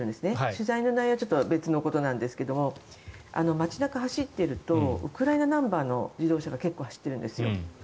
取材の内容は別のことなんですが街中を走っているとウクライナナンバーの自動車が結構、走っているんですよ。